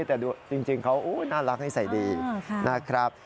แต่ดูจริงเขาน่ารักนิสัยดีนะครับ